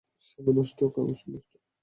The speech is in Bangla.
সময় নষ্ট, কাগজ নষ্ট!